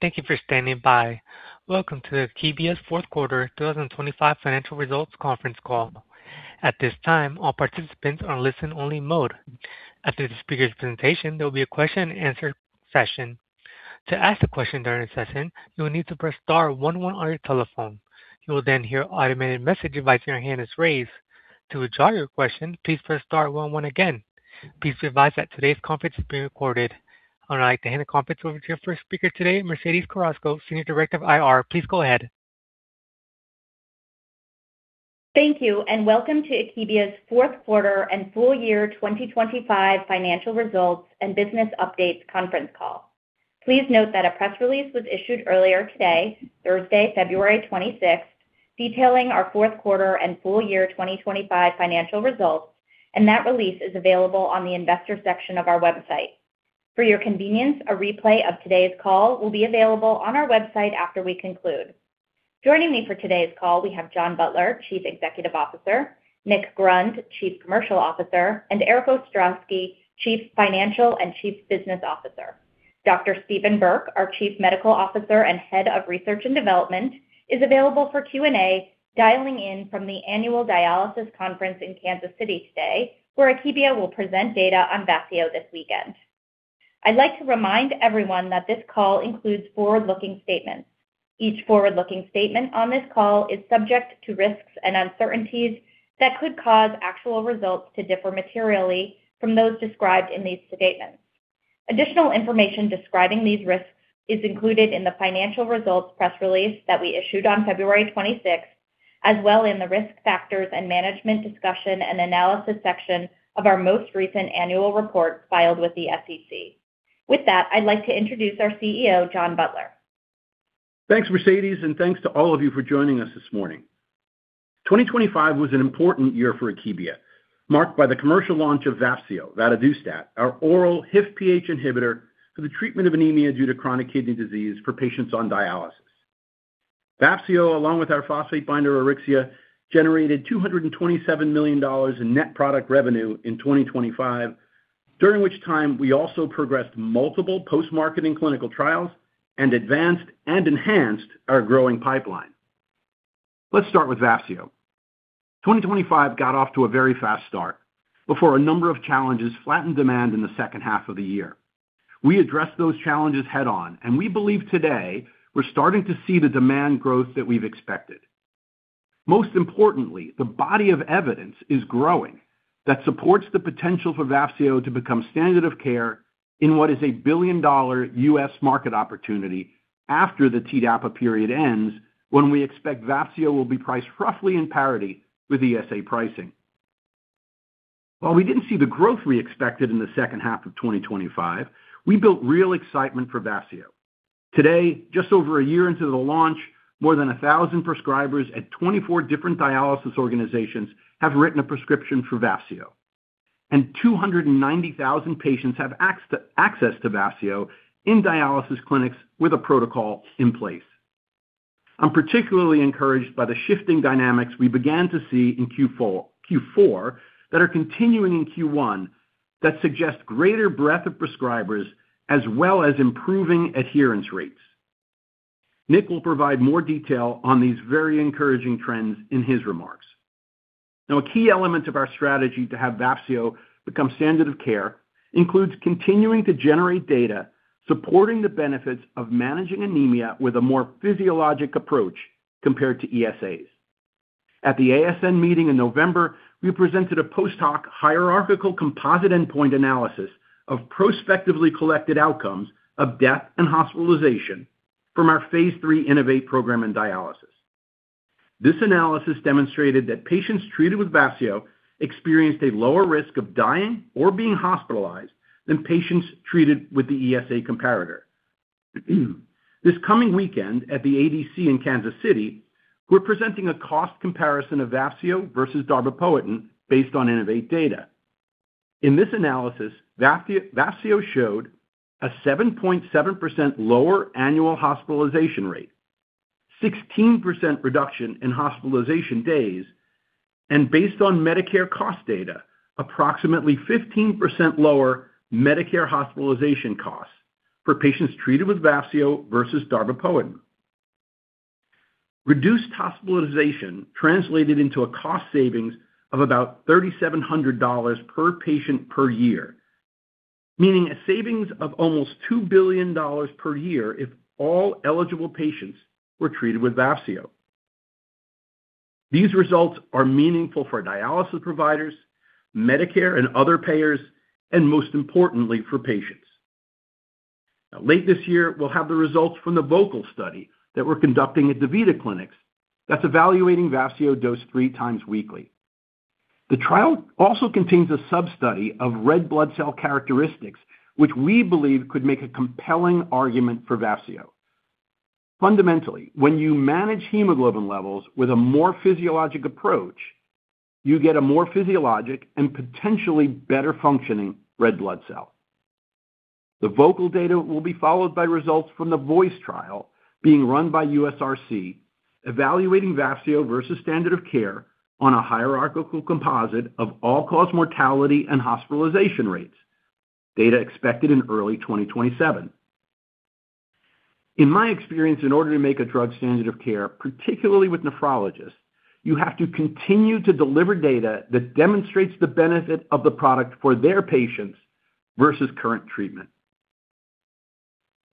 Thank you for standing by. Welcome to Akebia's Fourth Quarter 2025 Financial Results Conference Call. At this time, all participants are in listen-only mode. After the speaker's presentation, there will be a question-and-answer session. To ask a question during the session, you will need to press star 1 1 on your telephone. You will then hear an automated message advising your hand is raised. To withdraw your question, please press star 1 1 again. Please be advised that today's conference is being recorded. I would like to hand the conference over to your first speaker today, Mercedes Carrasco, Senior Director of IR. Please go ahead. Thank you, welcome to Akebia's fourth quarter and full year 2025 financial results and business updates conference call. Please note that a press release was issued earlier today, Thursday, February 26th, detailing our fourth quarter and full year 2025 financial results, and that release is available on the investor section of our website. For your convenience, a replay of today's call will be available on our website after we conclude. Joining me for today's call, we have John Butler, Chief Executive Officer, Nick Grund, Chief Commercial Officer, and Erik Ostrowski, Chief Financial and Chief Business Officer. Dr. Steven K. Burke, our Chief Medical Officer and Head of Research and Development, is available for Q&A, dialing in from the Annual Dialysis Conference in Kansas City today, where Akebia will present data on Vafseo this weekend. I'd like to remind everyone that this call includes forward-looking statements. Each forward-looking statement on this call is subject to risks and uncertainties that could cause actual results to differ materially from those described in these statements. Additional information describing these risks is included in the financial results press release that we issued on February 26th, as well in the Risk Factors and Management Discussion and Analysis section of our most recent annual report filed with the SEC. With that, I'd like to introduce our CEO, John Butler. Thanks, Mercedes, and thanks to all of you for joining us this morning. 2025 was an important year for Akebia, marked by the commercial launch of Vafseo, vadadustat, our oral HIF-PH inhibitor for the treatment of anemia due to chronic kidney disease for patients on dialysis. Vafseo, along with our phosphate binder, Auryxia, generated $227 million in net product revenue in 2025, during which time we also progressed multiple post-marketing clinical trials and advanced and enhanced our growing pipeline. Let's start with Vafseo. 2025 got off to a very fast start before a number of challenges flattened demand in the second half of the year. We addressed those challenges head-on, we believe today we're starting to see the demand growth that we've expected. Most importantly, the body of evidence is growing that supports the potential for Vafseo to become standard of care in what is a $1 billion U.S. market opportunity after the TDAPA period ends, when we expect Vafseo will be priced roughly in parity with ESA pricing. While we didn't see the growth we expected in the second half of 2025, we built real excitement for Vafseo. Today, just over a year into the launch, more than 1,000 prescribers at 24 different dialysis organizations have written a prescription for Vafseo, and 290,000 patients have access to Vafseo in dialysis clinics with a protocol in place. I'm particularly encouraged by the shifting dynamics we began to see in Q4 that are continuing in Q1 that suggest greater breadth of prescribers as well as improving adherence rates. Nick will provide more detail on these very encouraging trends in his remarks. A key element of our strategy to have Vafseo become standard of care includes continuing to generate data, supporting the benefits of managing anemia with a more physiologic approach compared to ESAs. At the ASN meeting in November, we presented a post hoc hierarchical composite endpoint analysis of prospectively collected outcomes of death and hospitalization from our phase 3 INNO2VATE program in dialysis. This analysis demonstrated that patients treated with Vafseo experienced a lower risk of dying or being hospitalized than patients treated with the ESA comparator. This coming weekend, at the ADC in Kansas City, we're presenting a cost comparison of Vafseo versus Darbepoetin based on INNO2VATE data. In this analysis, Vafseo showed a 7.7% lower annual hospitalization rate, 16% reduction in hospitalization days, and based on Medicare cost data, approximately 15% lower Medicare hospitalization costs for patients treated with Vafseo versus Darbepoetin. Reduced hospitalization translated into a cost savings of about $3,700 per patient per year, meaning a savings of almost $2 billion per year if all eligible patients were treated with Vafseo. Late this year, we'll have the results from the VOCAL study that we're conducting at DaVita Clinics that's evaluating Vafseo dosed three times weekly. The trial also contains a sub-study of red blood cell characteristics, which we believe could make a compelling argument for Vafseo. Fundamentally, when you manage hemoglobin levels with a more physiologic approach, you get a more physiologic and potentially better functioning red blood cell. The VOCAL data will be followed by results from the VOICE trial being run by USRC, evaluating Vafseo versus standard of care on a hierarchical composite of all-cause mortality and hospitalization rates. Data expected in early 2027. In my experience, in order to make a drug standard of care, particularly with nephrologists, you have to continue to deliver data that demonstrates the benefit of the product for their patients versus current treatment.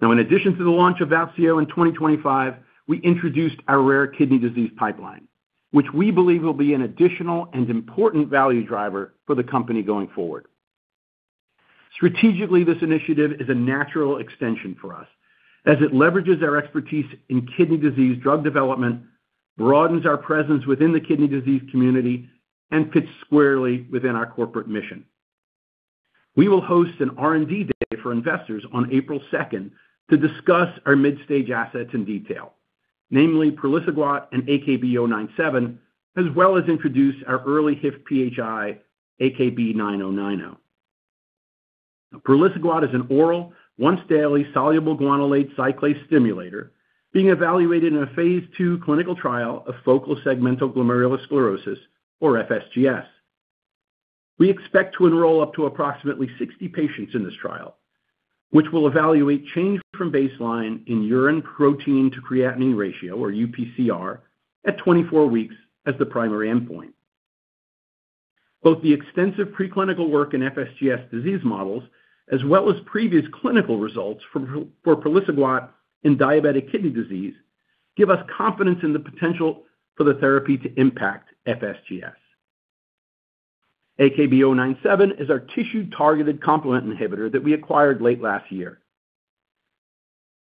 In addition to the launch of Vafseo in 2025, we introduced our rare kidney disease pipeline, which we believe will be an additional and important value driver for the company going forward. Strategically, this initiative is a natural extension for us as it leverages our expertise in kidney disease drug development, broadens our presence within the kidney disease community, and fits squarely within our corporate mission. We will host an R&D day for investors on April 2nd to discuss our mid-stage assets in detail, namely praliciguat and AKB-097, as well as introduce our early HIF-PHI, AKB-9090. praliciguat is an oral, once-daily, soluble guanylate cyclase stimulator being evaluated in a Phase 2 clinical trial of focal segmental glomerulosclerosis, or FSGS. We expect to enroll up to approximately 60 patients in this trial, which will evaluate change from baseline in urine protein to creatinine ratio, or UPCR, at 24 weeks as the primary endpoint. Both the extensive preclinical work in FSGS disease models, as well as previous clinical results for praliciguat in diabetic kidney disease, give us confidence in the potential for the therapy to impact FSGS. AKB-097 is our tissue-targeted complement inhibitor that we acquired late last year.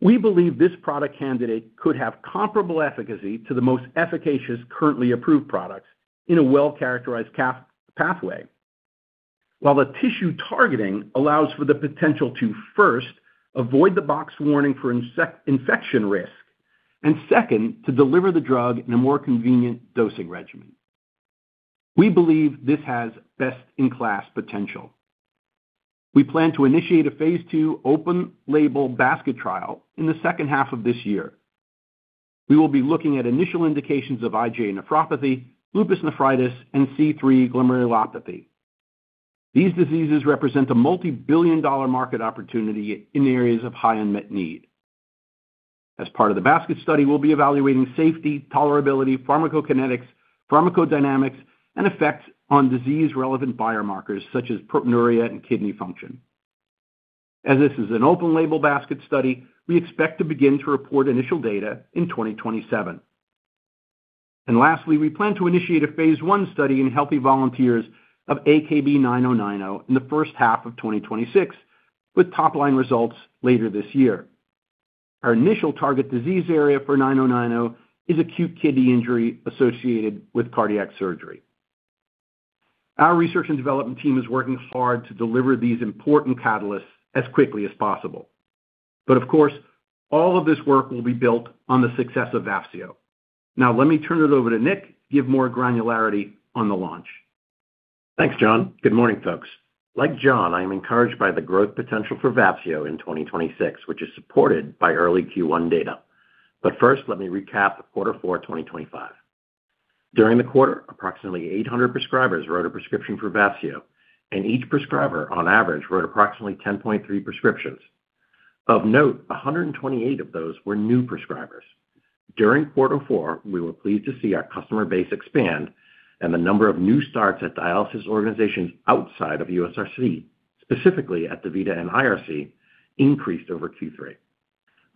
We believe this product candidate could have comparable efficacy to the most efficacious, currently approved products in a well-characterized pathway. The tissue targeting allows for the potential to, first, avoid the box warning for infection risk, and second, to deliver the drug in a more convenient dosing regimen. We believe this has best-in-class potential. We plan to initiate a phase 2 open label basket trial in the 2nd half of this year. We will be looking at initial indications of IgA nephropathy, lupus nephritis, and C3 glomerulopathy. These diseases represent a multibillion-dollar market opportunity in areas of high unmet need. As part of the basket study, we'll be evaluating safety, tolerability, pharmacokinetics, pharmacodynamics, and effects on disease-relevant biomarkers such as proteinuria and kidney function. As this is an open label basket study, we expect to begin to report initial data in 2027. Lastly, we plan to initiate a phase I study in healthy volunteers of AKB-9090 in the first half of 2026, with top-line results later this year. Our initial target disease area for 9090 is acute kidney injury associated with cardiac surgery. Our research and development team is working hard to deliver these important catalysts as quickly as possible. Of course, all of this work will be built on the success of Vafseo. Let me turn it over to Nick, give more granularity on the launch. Thanks, John. Good morning, folks. Like John, I am encouraged by the growth potential for Vafseo in 2026, which is supported by early Q1 data. First, let me recap the quarter four, 2025. During the quarter, approximately 800 prescribers wrote a prescription for Vafseo, and each prescriber, on average, wrote approximately 10.3 prescriptions. Of note, 128 of those were new prescribers. During quarter four, we were pleased to see our customer base expand and the number of new starts at dialysis organizations outside of USRC, specifically at DaVita and IRC, increased over Q3.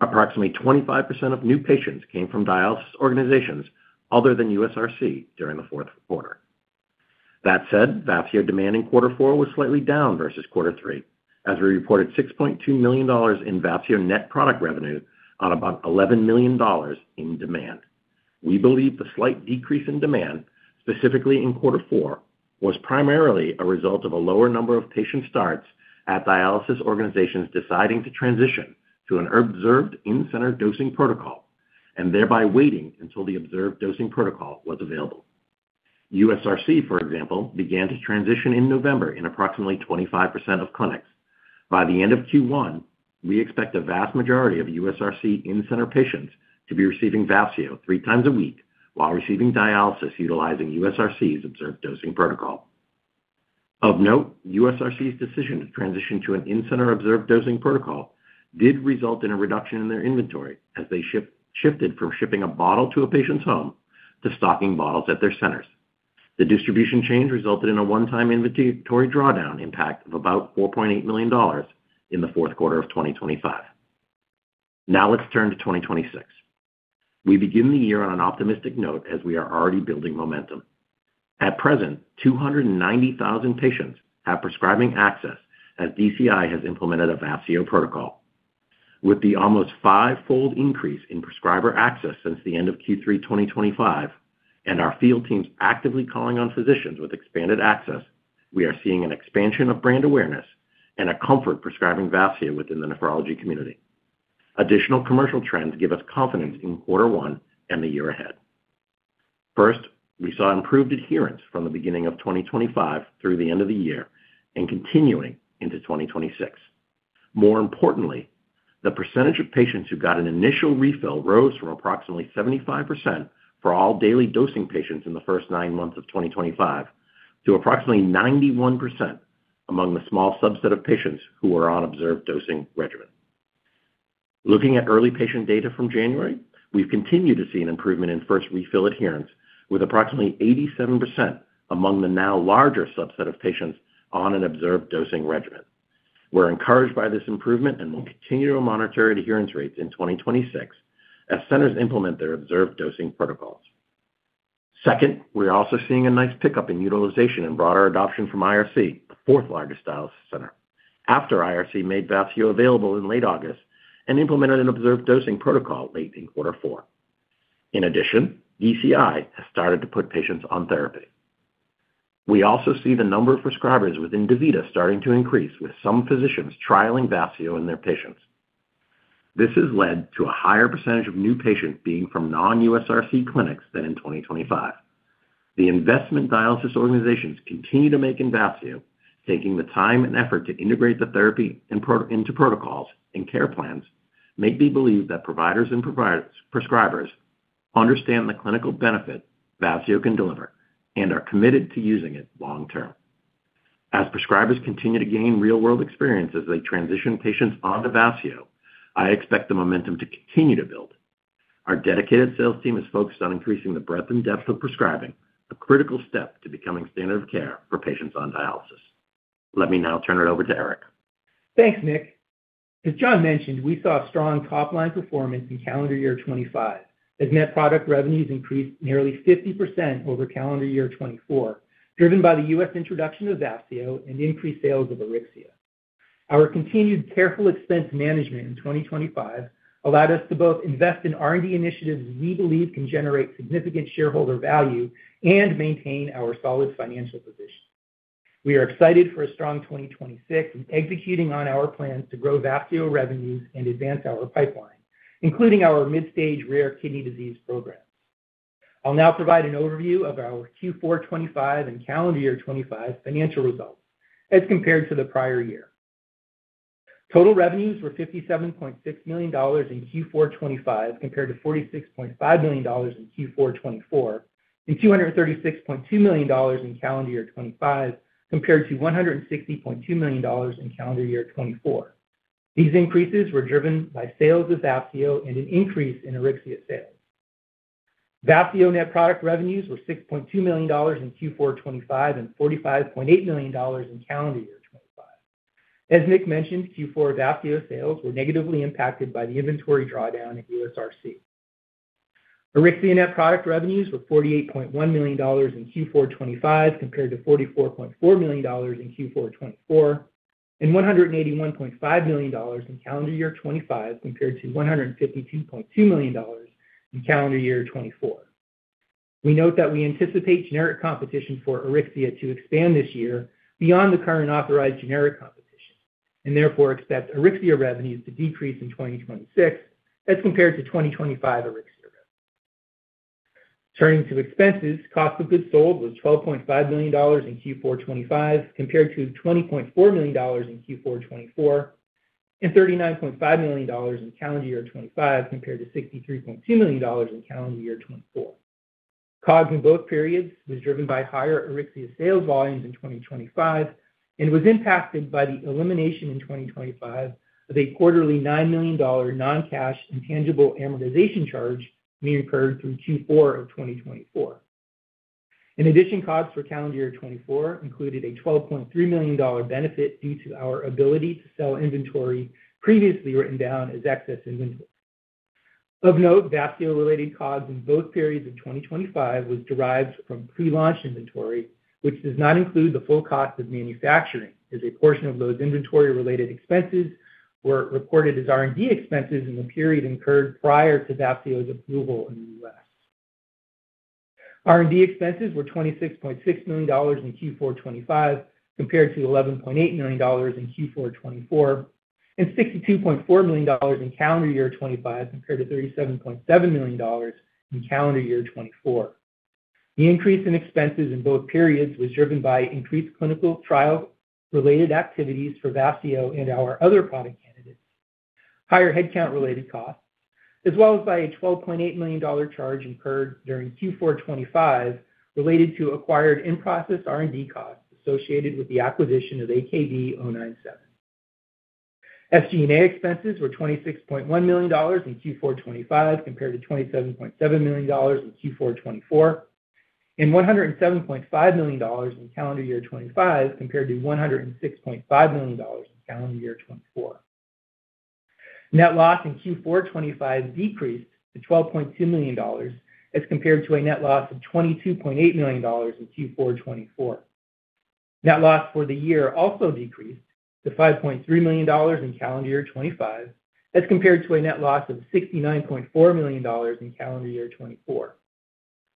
Approximately 25% of new patients came from dialysis organizations other than USRC during the fourth quarter. That said, Vafseo demand in Q4 was slightly down versus Q3, as we reported $6.2 million in Vafseo net product revenue on about $11 million in demand. We believe the slight decrease in demand, specifically in Q4, was primarily a result of a lower number of patient starts at dialysis organizations deciding to transition to an observed in-center dosing protocol and thereby waiting until the observed dosing protocol was available. USRC, for example, began to transition in November in approximately 25% of clinics. By the end of Q1, we expect the vast majority of USRC in-center patients to be receiving Vafseo three times a week while receiving dialysis, utilizing USRC's observed dosing protocol. Of note, USRC's decision to transition to an in-center observed dosing protocol did result in a reduction in their inventory as they shifted from shipping a bottle to a patient's home to stocking bottles at their centers. The distribution change resulted in a one-time inventory drawdown impact of about $4.8 million in the fourth quarter of 2025. Now, let's turn to 2026. We begin the year on an optimistic note as we are already building momentum. At present, 290,000 patients have prescribing access, as DCI has implemented a Vafseo protocol. With the almost fivefold increase in prescriber access since the end of Q3 2025 and our field teams actively calling on physicians with expanded access, we are seeing an expansion of brand awareness and a comfort prescribing Vafseo within the nephrology community. Additional commercial trends give us confidence in quarter one and the year ahead. First, we saw improved adherence from the beginning of 2025 through the end of the year and continuing into 2026. More importantly, the percentage of patients who got an initial refill rose from approximately 75% for all daily dosing patients in the first 9 months of 2025 to approximately 91% among the small subset of patients who were on observed dosing regimen. Looking at early patient data from January, we've continued to see an improvement in first refill adherence, with approximately 87% among the now larger subset of patients on an observed dosing regimen. We're encouraged by this improvement and will continue to monitor adherence rates in 2026 as centers implement their observed dosing protocols. We're also seeing a nice pickup in utilization and broader adoption from IRC, the fourth largest dialysis center, after IRC made Vafseo available in late August and implemented an observed dosing protocol late in quarter four. DCI has started to put patients on therapy. We also see the number of prescribers within DaVita starting to increase, with some physicians trialing Vafseo in their patients. This has led to a higher % of new patients being from non-USRC clinics than in 2025. The investment dialysis organizations continue to make in Vafseo, taking the time and effort to integrate the therapy into protocols and care plans, make me believe that providers and prescribers understand the clinical benefit Vafseo can deliver and are committed to using it long term. As prescribers continue to gain real-world experience as they transition patients onto Vafseo, I expect the momentum to continue to build. Our dedicated sales team is focused on increasing the breadth and depth of prescribing, a critical step to becoming standard of care for patients on dialysis. Let me now turn it over to Erik. Thanks, Nick. As John mentioned, we saw a strong top-line performance in calendar year 2025, as net product revenues increased nearly 50% over calendar year 2024, driven by the U.S. introduction of Vafseo and increased sales of Auryxia. Our continued careful expense management in 2025 allowed us to both invest in R&D initiatives we believe can generate significant shareholder value and maintain our solid financial position. We are excited for a strong 2026 and executing on our plans to grow Vafseo revenues and advance our pipeline, including our mid-stage rare kidney disease programs. I'll now provide an overview of our Q4 2025 and calendar year 2025 financial results as compared to the prior year. Total revenues were $57.6 million in Q4 2025, compared to $46.5 million in Q4 2024, and $236.2 million in calendar year 2025, compared to $160.2 million in calendar year 2024. These increases were driven by sales of Vafseo and an increase in Auryxia sales. Vafseo net product revenues were $6.2 million in Q4 2025 and $45.8 million in calendar year 2025. As Nick mentioned, Q4 Vafseo sales were negatively impacted by the inventory drawdown at USRC. Auryxia net product revenues were $48.1 million in Q4 2025, compared to $44.4 million in Q4 2024, and $181.5 million in calendar year 2025, compared to $152.2 million in calendar year 2024. We note that we anticipate generic competition for Auryxia to expand this year beyond the current authorized generic competition and therefore expect Auryxia revenues to decrease in 2026 as compared to 2025 Auryxia. Turning to expenses, cost of goods sold was $12.5 million in Q4 2025, compared to $20.4 million in Q4 2024, and $39.5 million in calendar year 2025, compared to $63.2 million in calendar year 2024. COGS in both periods was driven by higher Auryxia sales volumes in 2025 and was impacted by the elimination in 2025 of a quarterly $9 million non-cash intangible amortization charge we incurred through Q4 of 2024. In addition, costs for calendar year 2024 included a $12.3 million benefit due to our ability to sell inventory previously written down as excess inventory. Of note, Vafseo-related COGS in both periods of 2025 was derived from pre-launch inventory, which does not include the full cost of manufacturing, as a portion of those inventory-related expenses were reported as R&D expenses in the period incurred prior to Vafseo's approval in the U.S. R&D expenses were $26.6 million in Q4 2025, compared to $11.8 million in Q4 2024, and $62.4 million in calendar year 2025, compared to $37.7 million in calendar year 2024. The increase in expenses in both periods was driven by increased clinical trial-related activities for Vafseo and our other product candidates, higher headcount-related costs, as well as by a $12.8 million charge incurred during Q4 2025 related to acquired in-process R&D costs associated with the acquisition of AKB-097. SG&A expenses were $26.1 million in Q4 2025, compared to $27.7 million in Q4 2024, and $107.5 million in calendar year 2025, compared to $106.5 million in calendar year 2024. Net loss in Q4 2025 decreased to $12.2 million, as compared to a net loss of $22.8 million in Q4 2024. Net loss for the year also decreased to $5.3 million in calendar year 2025, as compared to a net loss of $69.4 million in calendar year 2024.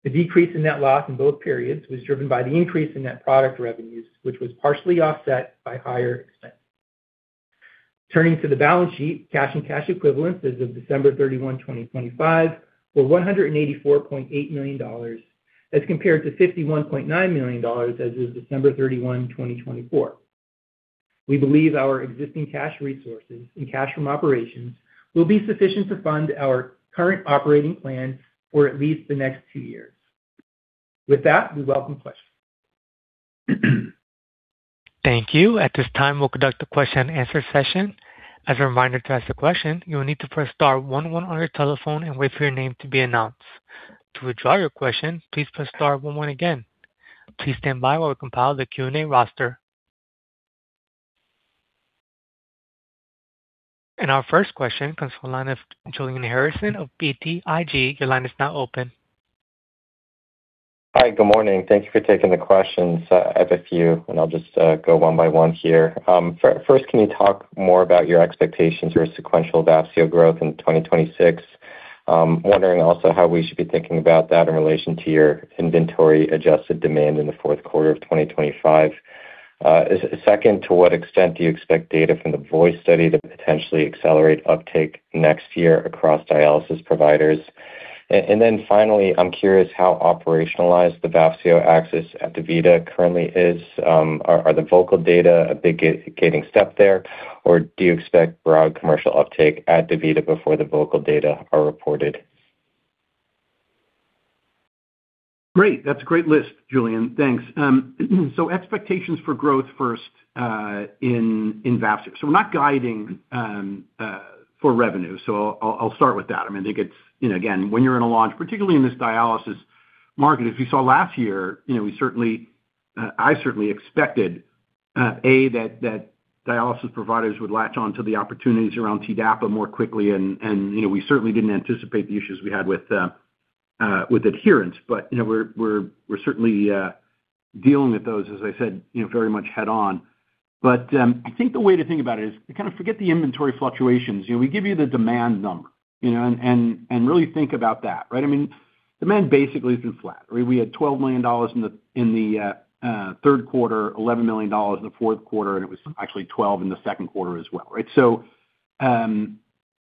The decrease in net loss in both periods was driven by the increase in net product revenues, which was partially offset by higher expenses.... Turning to the balance sheet, cash and cash equivalents as of December 31, 2025, were $184.8 million, as compared to $51.9 million as of December 31, 2024. We believe our existing cash resources and cash from operations will be sufficient to fund our current operating plan for at least the next two years. With that, we welcome questions. Thank you. At this time, we'll conduct a question-and-answer session. As a reminder, to ask a question, you will need to press star one one on your telephone and wait for your name to be announced. To withdraw your question, please press star one one again. Please stand by while we compile the Q&A roster. Our first question comes from the line of Julian Harrison of BTIG. Your line is now open. Hi, good morning. Thank you for taking the questions. I have a few, and I'll just go one by one here. First, can you talk more about your expectations for sequential Vafseo growth in 2026? Wondering also how we should be thinking about that in relation to your inventory-adjusted demand in the Q4 of 2025. Second, to what extent do you expect data from the VOICE study to potentially accelerate uptake next year across dialysis providers? Finally, I'm curious how operationalized the Vafseo access at DaVita currently is. Are the VOCAL data a big gaining step there, or do you expect broad commercial uptake at DaVita before the VOCAL data are reported? Great. That's a great list, Julian. Thanks. Expectations for growth first in Vafseo. We're not guiding for revenue. I'll start with that. I mean, I think it's, you know, again, when you're in a launch, particularly in this dialysis market, if you saw last year, you know, we certainly, I certainly expected that dialysis providers would latch on to the opportunities around TDAPA more quickly, and, you know, we certainly didn't anticipate the issues we had with adherence. You know, we're certainly dealing with those, as I said, you know, very much head-on. I think the way to think about it is, kind of forget the inventory fluctuations. You know, we give you the demand number, you know, and really think about that, right? I mean, demand basically has been flat. We had $12 million in the third quarter, $11 million in the fourth quarter, and it was actually $12 million in the second quarter as well, right?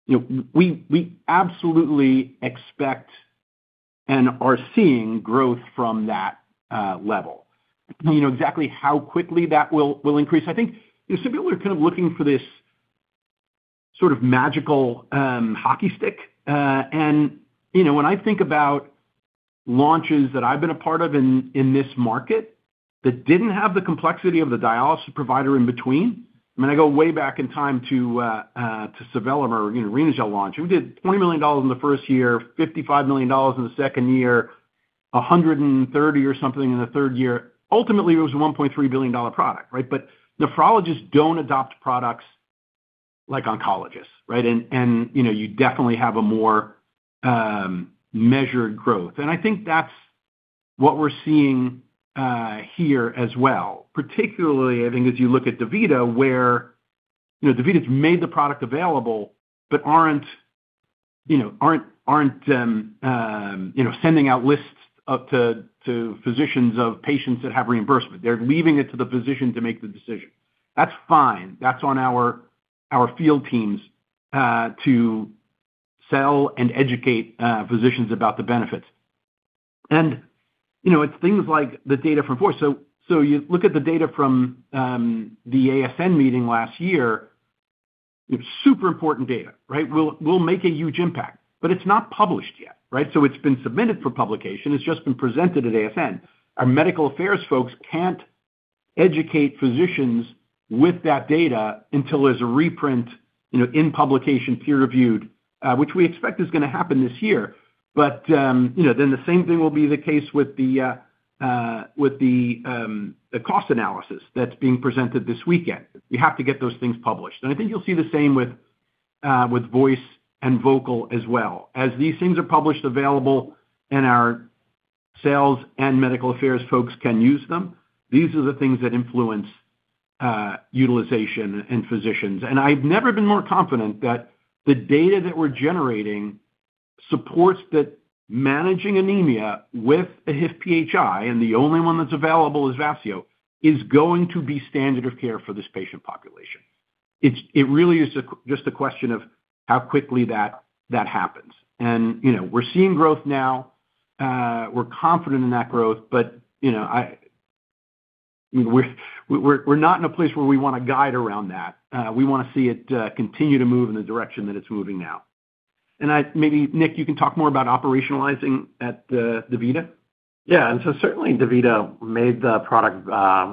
You know, we absolutely expect and are seeing growth from that level. You know, exactly how quickly that will increase, I think, you know, some people are kind of looking for this sort of magical hockey stick. You know, when I think about launches that I've been a part of in this market, that didn't have the complexity of the dialysis provider in between, I mean, I go way back in time to Sevelimer, you know, Renagel launch. We did $20 million in the first year, $55 million in the second year, $130 million or something in the third year. Ultimately, it was a $1.3 billion product, right? Nephrologists don't adopt products like oncologists, right? You know, you definitely have a more measured growth. I think that's what we're seeing here as well, particularly, I think, as you look at DaVita, where, you know, DaVita's made the product available, but aren't, you know, sending out lists to physicians of patients that have reimbursement. They're leaving it to the physician to make the decision. That's fine. That's on our field teams to sell and educate physicians about the benefits. You know, it's things like the data from VOICE. You look at the data from the ASN meeting last year, it's super important data, right? Will make a huge impact, it's not published yet, right? It's been submitted for publication. It's just been presented at ASN. Our medical affairs folks can't educate physicians with that data until there's a reprint, you know, in publication, peer-reviewed, which we expect is gonna happen this year. You know, the same thing will be the case with the with the cost analysis that's being presented this weekend. You have to get those things published. I think you'll see the same with VOICE and VOCAL as well. As these things are published, available, and our sales and medical affairs folks can use them, these are the things that influence utilization and physicians. I've never been more confident that the data that we're generating supports that managing anemia with a HIF-PHI, and the only one that's available is Vafseo, is going to be standard of care for this patient population. It really is just a question of how quickly that happens. You know, we're seeing growth now, we're confident in that growth, but, you know, we're not in a place where we want to guide around that. We want to see it continue to move in the direction that it's moving now. Maybe, Nick, you can talk more about operationalizing at DaVita? Certainly DaVita made the product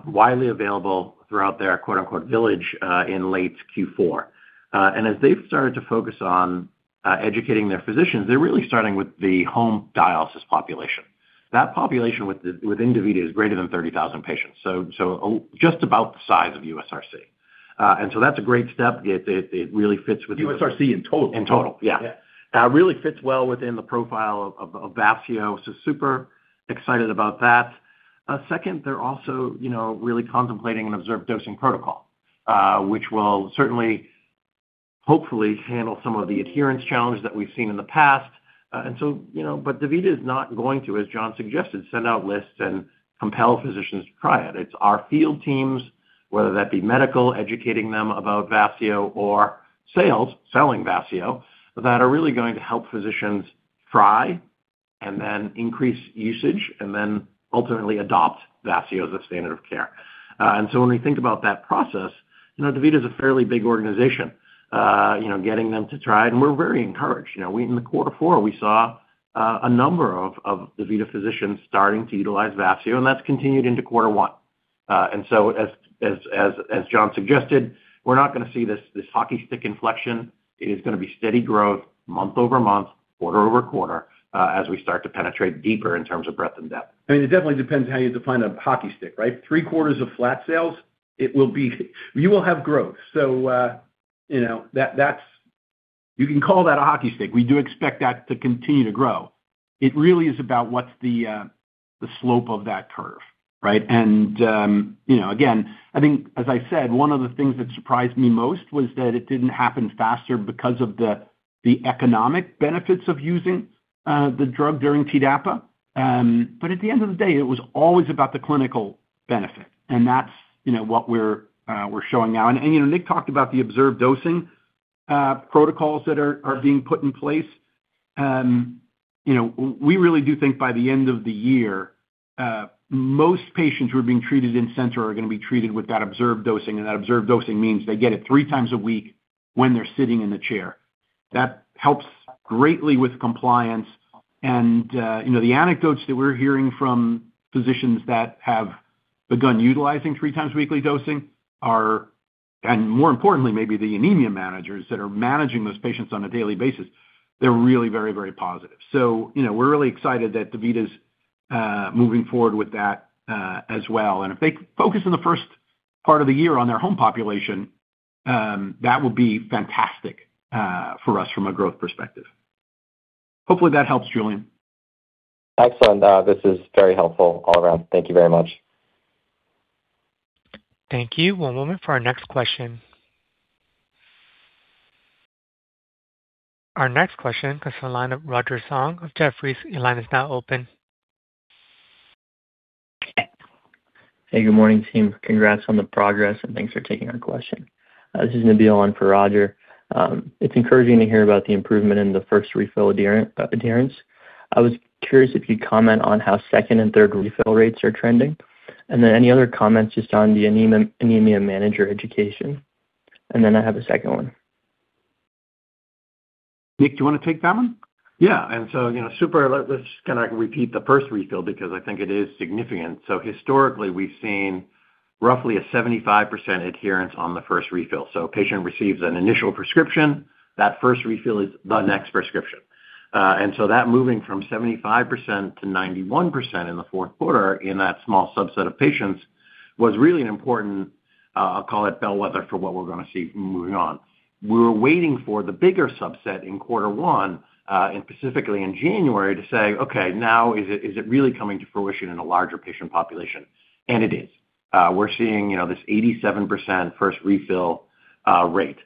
widely available throughout their "Village" in late Q4. As they've started to focus on educating their physicians, they're really starting with the home dialysis population. That population within DaVita is greater than 30,000 patients, so just about the size of USRC. So that's a great step. It really fits with- USRC in total. In total, yeah. Yeah. Really fits well within the profile of Vafseo. Super excited about that. Second, they're also, you know, really contemplating an observed dosing protocol, which will certainly hopefully handle some of the adherence challenges that we've seen in the past. You know, DaVita is not going to, as John suggested, send out lists and compel physicians to try it. It's our field teams, whether that be medical, educating them about Vafseo or sales, selling Vafseo, that are really going to help physicians try and then increase usage and then ultimately adopt Vafseo as a standard of care. When we think about that process, you know, DaVita is a fairly big organization, you know, getting them to try it, and we're very encouraged. You know, we, in the quarter four, we saw a number of DaVita physicians starting to utilize Vafseo, and that's continued into quarter one. As John suggested, we're not gonna see this hockey stick inflection. It is gonna be steady growth month-over-month, quarter-over-quarter, as we start to penetrate deeper in terms of breadth and depth. I mean, it definitely depends on how you define a hockey stick, right? Three quarters of flat sales, you will have growth. you know, that's.. You can call that a hockey stick. We do expect that to continue to grow. It really is about what's the the slope of that curve, right? You know, again, I think as I said, one of the things that surprised me most was that it didn't happen faster because of the the economic benefits of using the drug during TDAPA. At the end of the day, it was always about the clinical benefit, and that's, you know, what we're showing now. You know, Nick talked about the observed dosing protocols that are being put in place. You know, we really do think by the end of the year, most patients who are being treated in center are going to be treated with that observed dosing, and that observed dosing means they get it three times a week when they're sitting in the chair. That helps greatly with compliance. You know, the anecdotes that we're hearing from physicians that have begun utilizing three times weekly dosing are. More importantly, maybe the anemia managers that are managing those patients on a daily basis, they're really very, very positive. You know, we're really excited that DaVita's moving forward with that as well. If they focus on the first part of the year on their home population, that will be fantastic for us from a growth perspective. Hopefully, that helps, Julian. Excellent. This is very helpful all around. Thank you very much. Thank you. One moment for our next question. Our next question comes from the line of Roger Song of Jefferies. Your line is now open. Hey, good morning, team. Congrats on the progress, and thanks for taking our question. This is Nabeel on for Roger. It's encouraging to hear about the improvement in the first refill adherence. I was curious if you'd comment on how second and third refill rates are trending, and then any other comments just on the anemia manager education. I have a second one. Nick, do you wanna take that one? Yeah, you know, super, let's kinda repeat the first refill because I think it is significant. Historically, we've seen roughly a 75% adherence on the first refill. A patient receives an initial prescription, that first refill is the next prescription. That moving from 75% to 91% in the fourth quarter in that small subset of patients was really an important, I'll call it, bellwether for what we're gonna see moving on. We were waiting for the bigger subset in quarter one, and specifically in January, to say, "Okay, now is it, is it really coming to fruition in a larger patient population?" It is. We're seeing, you know, this 87% first refill rate.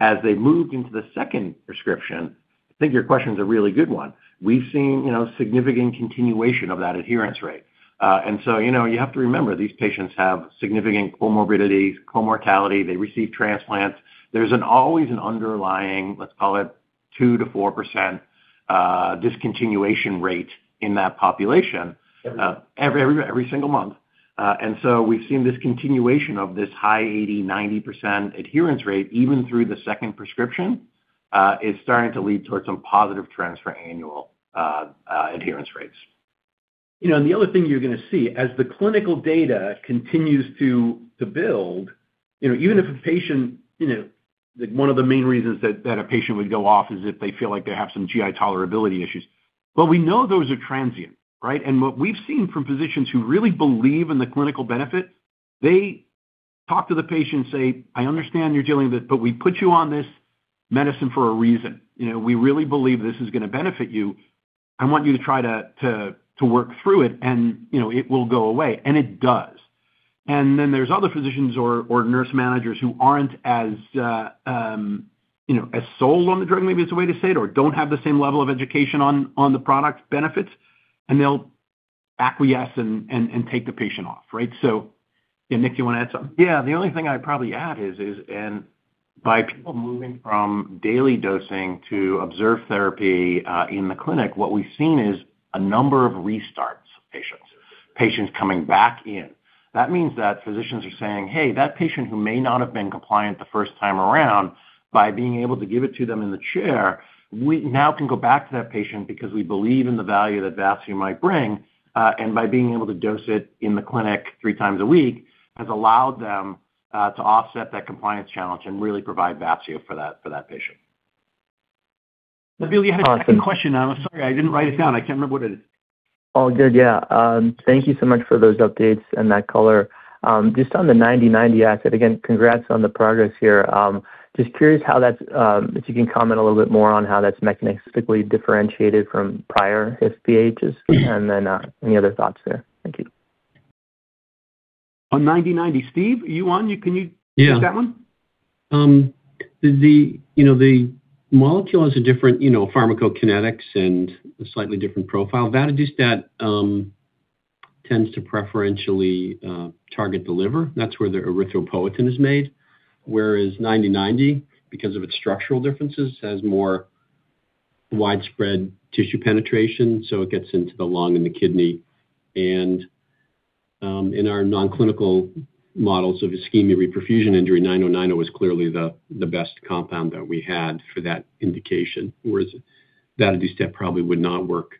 As they moved into the second prescription, I think your question is a really good one. We've seen, you know, significant continuation of that adherence rate. You know, you have to remember, these patients have significant comorbidities, comortality, they receive transplants. There's an always an underlying, let's call it, 2%-4% discontinuation rate in that population, every single month. We've seen this continuation of this high 80%-90% adherence rate, even through the 2nd prescription, is starting to lead towards some positive trends for annual adherence rates. You know, the other thing you're going to see, as the clinical data continues to build, you know, even if a patient, you know, one of the main reasons that a patient would go off is if they feel like they have some GI tolerability issues. We know those are transient, right? What we've seen from physicians who really believe in the clinical benefit, they talk to the patient and say, "I understand you're dealing with this, but we put you on this medicine for a reason. You know, we really believe this is going to benefit you. I want you to try to work through it, and, you know, it will go away." It does. There's other physicians or nurse managers who aren't as, you know, as sold on the drug, maybe it's a way to say it, or don't have the same level of education on the product benefits, and they'll acquiesce and take the patient off, right? Yeah, Nick, you wanna add something? Yeah, the only thing I'd probably add is, by people moving from daily dosing to observed therapy, in the clinic, what we've seen is a number of restarts patients coming back in. That means that physicians are saying, "Hey, that patient who may not have been compliant the first time around, by being able to give it to them in the chair, we now can go back to that patient because we believe in the value that Vafseo might bring," and by being able to dose it in the clinic three times a week, has allowed them to offset that compliance challenge and really provide Vafseo for that patient. Nabil, you had a second question. I'm sorry, I didn't write it down. I can't remember what it is. All good. Yeah. Thank you so much for those updates and that color. Just on the 9090 asset, again, congrats on the progress here. Just curious how that's, if you can comment a little bit more on how that's mechanistically differentiated from prior HIFs, and then, any other thoughts there? Thank you. ... On AKB-9090. Steven, are you on? can you- Yeah. Take that one? The, you know, the molecule has a different, you know, pharmacokinetics and a slightly different profile. Vadadustat tends to preferentially target the liver. That's where the erythropoietin is made, whereas ninety ninety, because of its structural differences, has more widespread tissue penetration, so it gets into the lung and the kidney. In our non-clinical models of ischemia-reperfusion injury, nine oh nine oh is clearly the best compound that we had for that indication, whereas vadadustat probably would not work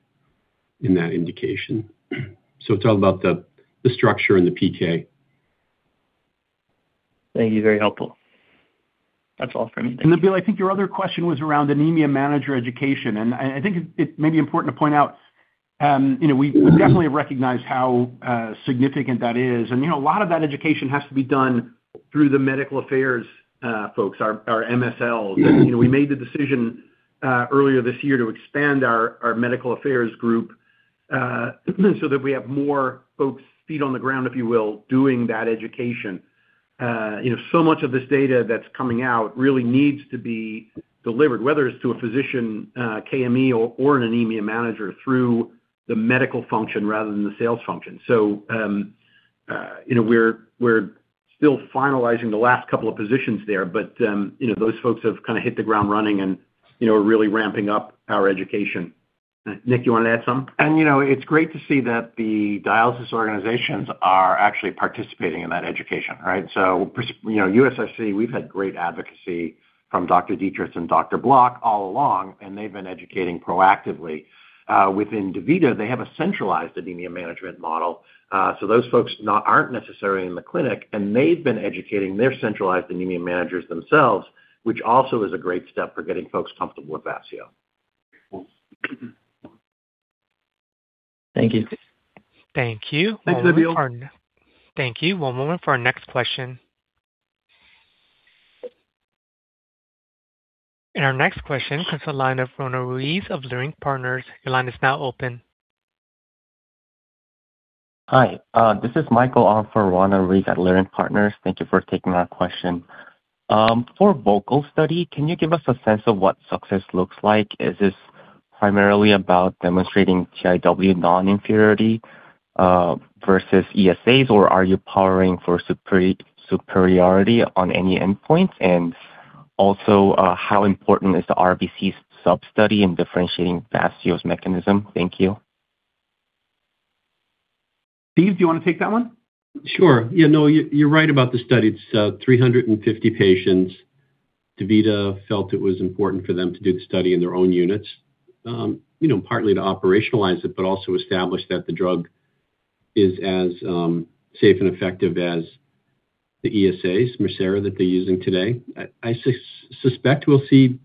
in that indication. It's all about the structure and the PK. Thank you. Very helpful. That's all for me. Bill, I think your other question was around anemia manager education, I think it may be important to point out, you know, we definitely recognize how significant that is. You know, a lot of that education has to be done through the medical affairs folks, our MSLs. You know, we made the decision earlier this year to expand our medical affairs group so that we have more folks' feet on the ground, if you will, doing that education. You know, so much of this data that's coming out really needs to be delivered, whether it's to a physician, KME or an anemia manager through the medical function rather than the sales function. You know, we're still finalizing the last couple of positions there, you know, those folks have kind of hit the ground running and, you know, are really ramping up our education. Nick, you want to add something? You know, it's great to see that the dialysis organizations are actually participating in that education, right? You know, UCSF, we've had great advocacy from Mary Dittrich and Geoffrey Block all along, and they've been educating proactively. Within DaVita, they have a centralized anemia management model, so those folks aren't necessarily in the clinic, and they've been educating their centralized anemia managers themselves, which also is a great step for getting folks comfortable with Vafseo. Cool. Thank you. Thank you. Thanks, Nabeel. Thank you. One moment for our next question. Our next question comes the line of Roanna Ruiz of Leerink Partners. Your line is now open. Hi, this is Michael, on for Roanna Ruiz at Leerink Partners. Thank you for taking our question. For VOCAL study, can you give us a sense of what success looks like? Is this primarily about demonstrating TIW non-inferiority versus ESAs, or are you powering for superiority on any endpoints? Also, how important is the RBC sub-study in differentiating Vafseo's mechanism? Thank you. Steve, do you want to take that one? Sure. You're right about the study. It's 350 patients. DaVita felt it was important for them to do the study in their own units, you know, partly to operationalize it, but also establish that the drug is as safe and effective as the ESAs, Mircera, that they're using today. I suspect we'll see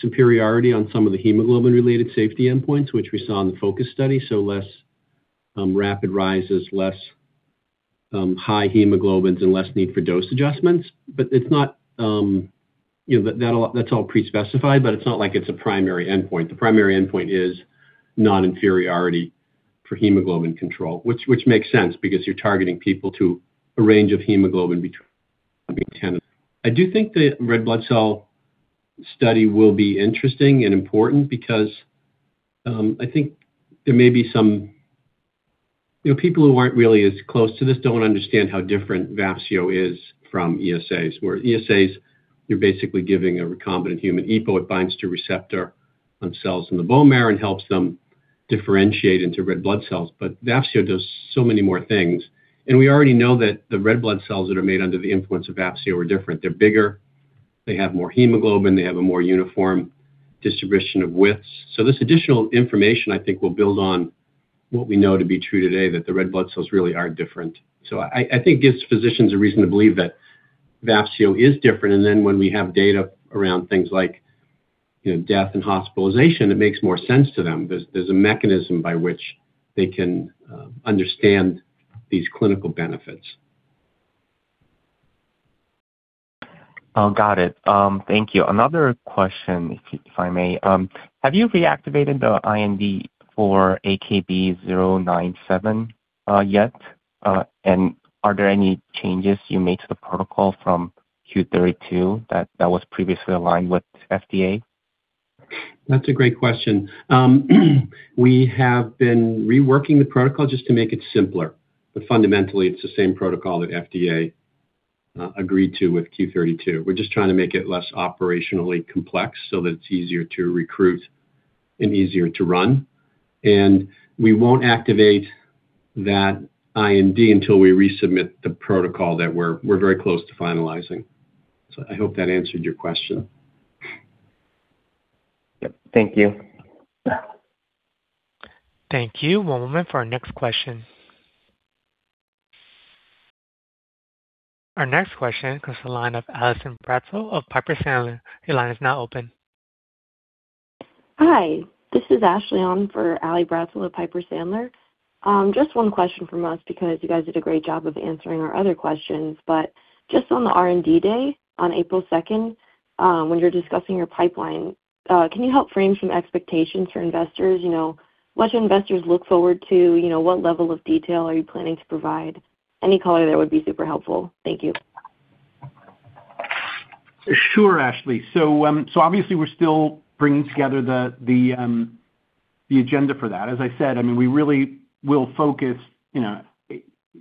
superiority on some of the hemoglobin-related safety endpoints, which we saw in the focus study, so less rapid rises, less high hemoglobins and less need for dose adjustments. It's not, you know, that's all pre-specified, it's not like it's a primary endpoint. The primary endpoint is non-inferiority for hemoglobin control, which makes sense because you're targeting people to a range of hemoglobin between 10. I do think the red blood cell study will be interesting and important because, I think there may be some... You know, people who aren't really as close to this don't understand how different Vafseo is from ESAs. Where ESAs, you're basically giving a recombinant human EPO. It binds to receptor on cells in the bone marrow and helps them differentiate into red blood cells. Vafseo does so many more things, and we already know that the red blood cells that are made under the influence of Vafseo are different. They're bigger, they have more hemoglobin, they have a more uniform distribution of widths. This additional information, I think, will build on what we know to be true today, that the red blood cells really are different. I think it gives physicians a reason to believe that Vafseo is different, and then when we have data around things like, you know, death and hospitalization, it makes more sense to them. There's a mechanism by which they can understand these clinical benefits. Got it. Thank you. Another question, if you, if I may. Have you reactivated the IND for AKB-097 yet? Are there any changes you made to the protocol from Q32 Bio that was previously aligned with FDA? That's a great question. We have been reworking the protocol just to make it simpler, but fundamentally, it's the same protocol that FDA agreed to with Q32 Bio. We're just trying to make it less operationally complex so that it's easier to recruit and easier to run. We won't activate that IND until we resubmit the protocol that we're very close to finalizing. I hope that answered your question. Yep. Thank you. Thank you. One moment for our next question. Our next question comes to the line of Allison Bratzel of Piper Sandler. Your line is now open. Hi, this is Ashleigh on for Allison Bratzel of Piper Sandler. Just 1 question from us because you guys did a great job of answering our other questions. Just on the R&D day, on April 2, when you're discussing your pipeline, can you help frame some expectations for investors? You know, what should investors look forward to? You know, what level of detail are you planning to provide? Any color there would be super helpful. Thank you. Sure, Ashleigh. Obviously, we're still bringing together the agenda for that. As I said, I mean, we really will focus, you know,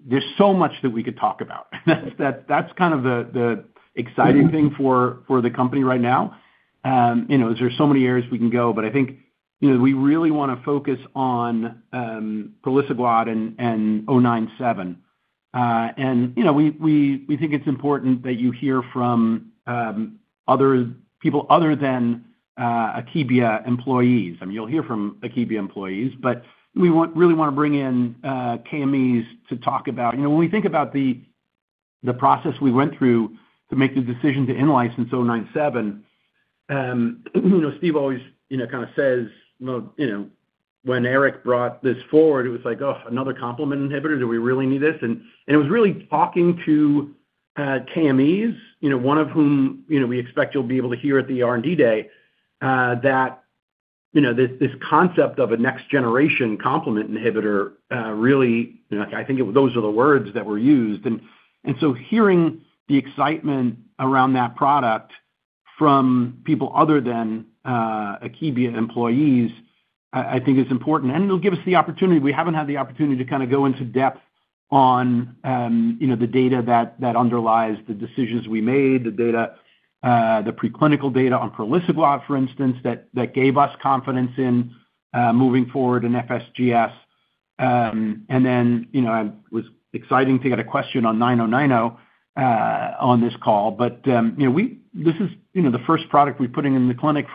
there's so much that we could talk about. That's kind of the exciting thing for the company right now. You know, there's so many areas we can go. I think, you know, we really wanna focus on praliciguat and oh-nine-seven. You know, we think it's important that you hear from other people other than Akebia employees. I mean, you'll hear from Akebia employees, we really wanna bring in KMEs to talk about... You know, when we think about the process we went through to make the decision to in-license AKB-097, you know, Steve always, you know, kinda says, "Well, you know, when Erik brought this forward, it was like, oh, another complement inhibitor, do we really need this?" It was really talking to KMEs, you know, one of whom, you know, we expect you'll be able to hear at the R&D Day, that, you know, this concept of a next generation complement inhibitor, really, you know, I think those are the words that were used. Hearing the excitement around that product from people other than Akebia employees, I think is important. It'll give us the opportunity. We haven't had the opportunity to kinda go into depth on, you know, the data that underlies the decisions we made, the data, the preclinical data on praliciguat, for instance, that gave us confidence in moving forward in FSGS. You know, it was exciting to get a question on AKB-9090 on this call. You know, this is, you know, the first product we're putting in the clinic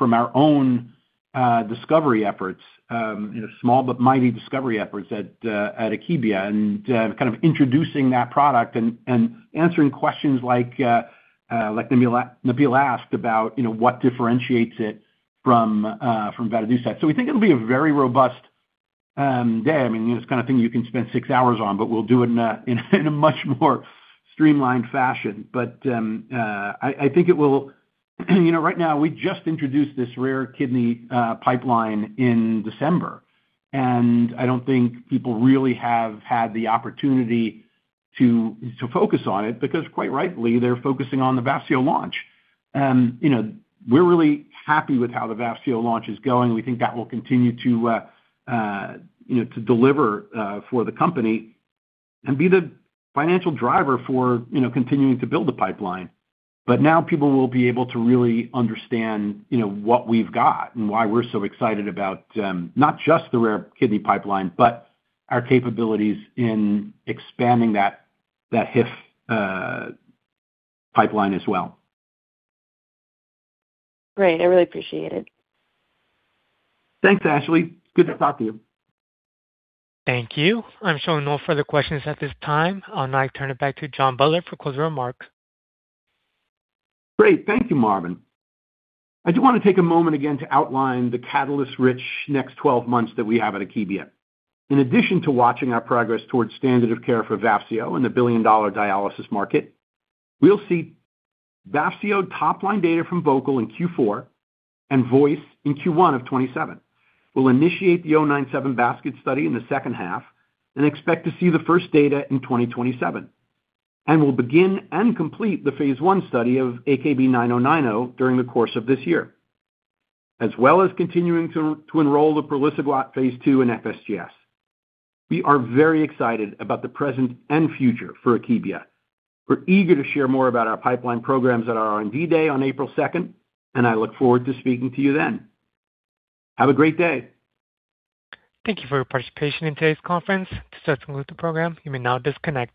from our own discovery efforts, small but mighty discovery efforts at Akebia, and kind of introducing that product and answering questions like Nabil asked about, you know, what differentiates it from vadadustat. We think it'll be a very robust day. I mean, it's the kind of thing you can spend six hours on, but we'll do it in a, in a much more streamlined fashion. I think it will. You know, right now, we just introduced this rare kidney pipeline in December, and I don't think people really have had the opportunity to focus on it, because quite rightly, they're focusing on the Vafseo launch. You know, we're really happy with how the Vafseo launch is going. We think that will continue to, you know, to deliver for the company and be the financial driver for, you know, continuing to build the pipeline. now people will be able to really understand, you know, what we've got and why we're so excited about, not just the rare kidney pipeline, but our capabilities in expanding that HIF, pipeline as well. Great, I really appreciate it. Thanks, Ashleigh. Good to talk to you. Thank you. I'm showing no further questions at this time. I'll now turn it back to John Butler for closing remarks. Great. Thank you, Marvin. I do wanna take a moment again to outline the catalyst-rich next 12 months that we have at Akebia. In addition to watching our progress towards standard of care for Vafseo and the billion-dollar dialysis market, we'll see Vafseo top-line data from VOCAL in Q4 and VOICE in Q1 of 2027. We'll initiate the AKB-097 basket study in the second half and expect to see the first data in 2027. We'll begin and complete the phase I study of AKB-9090 during the course of this year, as well as continuing to enroll the praliciguat phase II in FSGS. We are very excited about the present and future for Akebia. We're eager to share more about our pipeline programs at our R&D Day on April second, and I look forward to speaking to you then. Have a great day. Thank you for your participation in today's conference. This doesn't end the program. You may now disconnect.